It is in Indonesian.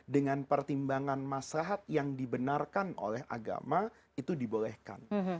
dengan pertimbangan masahat yang dibenarkan oleh agama itu dibolehkan